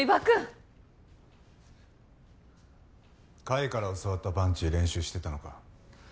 甲斐から教わったパンチ練習してたのか。